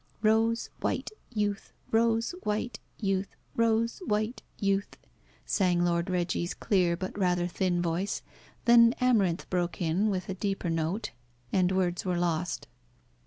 "Rose white youth, Rose white youth, Rose white youth," sang Lord Reggie's clear, but rather thin voice. Then Amarinth broke in with a deeper note, and words were lost.